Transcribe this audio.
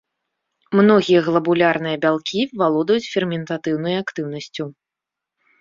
Многія глабулярныя бялкі валодаюць ферментатыўнай актыўнасцю.